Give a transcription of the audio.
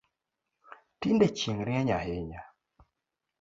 Tinde chieng rieny ahinya